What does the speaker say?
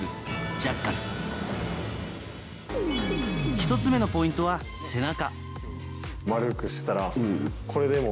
１つ目のポイントは背中。